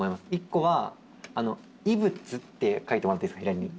１個は異物って書いてもらっていいですか左に。